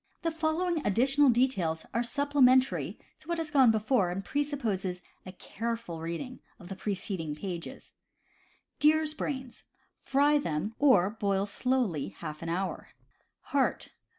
The following additional details are supplementary to what has gone before, and presuppose a amma s. careful reading of the preceding pages : Deer's Brains. — Fry them; or boil slowly half an hour. Heart.